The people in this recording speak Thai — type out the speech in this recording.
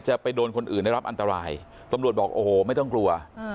จะไปโดนคนอื่นได้รับอันตรายตำรวจบอกโอ้โหไม่ต้องกลัว